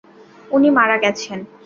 উনি মারা গেছেন।